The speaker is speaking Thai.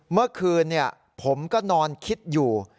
เมื่อคืนผมก็นอนคิดอยู่